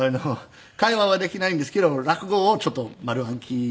会話はできないんですけど落語をちょっと丸暗記。